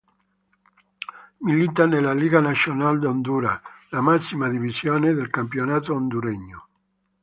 Milita nella Liga Nacional de Honduras, la massima divisione del campionato honduregno.